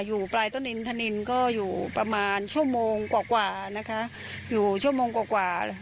อยู่ปลายต้นอินทนินก็อยู่ประมาณชั่วโมงกว่ากว่านะคะอยู่ชั่วโมงกว่า